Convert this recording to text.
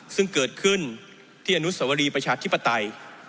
ซึ่งเกิดขึ้นที่อนุสวรีประชาธิปไตย